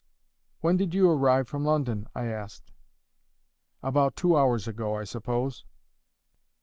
"When did you arrive from London?" I asked. "About two hours ago, I suppose."